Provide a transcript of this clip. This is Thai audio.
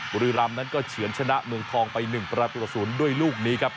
บุรีรำนั้นก็เฉือนชนะเมืองทองไป๑ประตูต่อ๐ด้วยลูกนี้ครับ